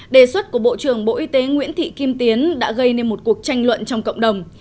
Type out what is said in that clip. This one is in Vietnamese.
đề xuất của bộ trưởng bộ y tế nguyễn thị kim tiến đã gây nên một cuộc tranh luận trong cộng đồng